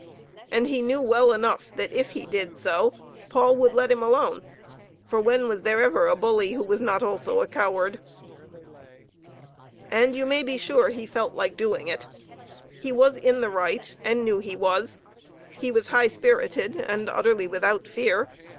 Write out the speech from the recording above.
And he knew well enough that if he did so, Paul would let him alone. For when was there ever a bully who was not also a coward? And you may be sure he felt like doing it. He was in the right, and knew he was. He was high spirited and utterly without fear.